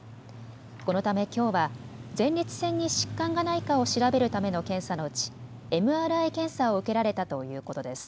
このため、きょうは前立腺に疾患がないかを調べるための検査のうち、ＭＲＩ検査を受けられたということです。